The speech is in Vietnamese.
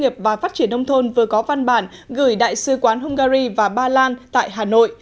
phát triển đông thôn vừa có văn bản gửi đại sứ quán hungary và ba lan tại hà nội